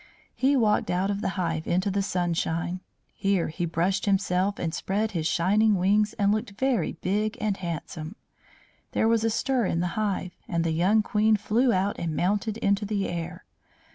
He walked out of the hive into the sunshine. Here he brushed himself and spread his shining wings and looked very big and handsome. There was a stir in the hive, and the young Queen flew out and mounted into the air.